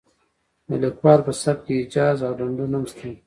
د لیکوال په سبک کې ایجاز او لنډون هم شته.